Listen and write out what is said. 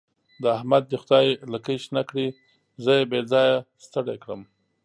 د احمد دې خدای لکۍ شنه کړي؛ زه يې بې ځايه ستړی کړم.